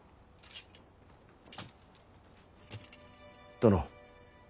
殿。